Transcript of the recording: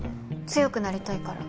強くなりたいから。